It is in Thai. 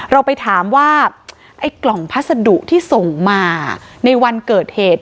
เราไปถามว่าไอ้กล่องพัสดุที่ส่งมาในวันเกิดเหตุ